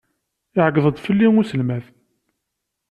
Iεeyyeḍ-d fell-i uselmad.